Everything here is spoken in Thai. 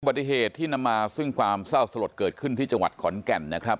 ปฏิเหตุที่นำมาซึ่งความเศร้าสลดเกิดขึ้นที่จังหวัดขอนแก่นนะครับ